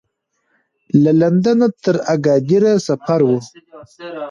له لندنه تر اګادیره سفر و.